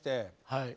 はい。